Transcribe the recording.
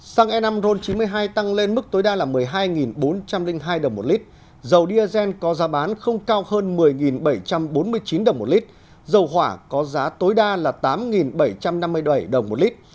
xăng e năm ron chín mươi hai tăng lên mức tối đa là một mươi hai bốn trăm linh hai đồng một lít dầu diesel có giá bán không cao hơn một mươi bảy trăm bốn mươi chín đồng một lít dầu hỏa có giá tối đa là tám bảy trăm năm mươi bảy đồng một lít